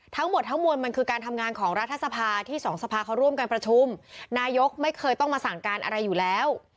ทั้งหมดทั้งมวลมันคือการทำงานของรัฐสภาที่สองสภาเขาร่วมการประชุมนายกไม่เคยต้องมาสั่งการอะไรอยู่แล้ว